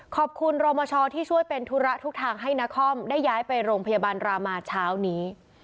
ขอบคุณโรมชที่ช่วยเป็นธุระทุกทางให้นครได้ย้ายไปโรงพยาบาลรามาเช้านี้